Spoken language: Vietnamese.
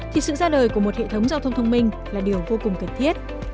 thì sự ra đời của một hệ thống giao thông thông minh là điều vô cùng cần thiết